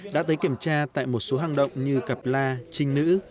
đã tới kiểm tra tại một số hàng động như cạp la trinh nữ